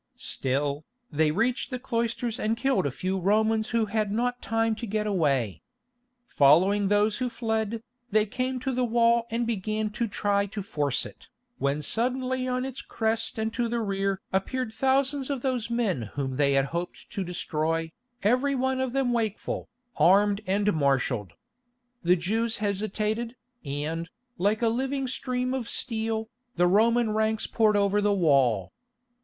Still, they reached the cloisters and killed a few Romans who had not time to get away. Following those who fled, they came to the wall and began to try to force it, when suddenly on its crest and to the rear appeared thousands of those men whom they had hoped to destroy, every one of them wakeful, armed and marshalled. The Jews hesitated, and, like a living stream of steel, the Roman ranks poured over the wall.